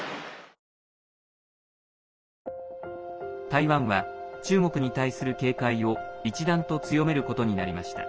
台湾は、中国に対する警戒を一段と強めることになりました。